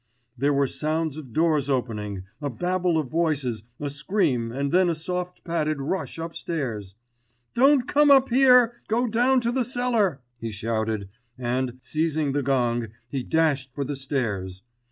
There were sounds of doors opening, a babel of voices, a scream and then a soft padded rush upstairs. "Don't come up here! Go down to the cellar," he shouted and, seizing the gong, he dashed for the stairs.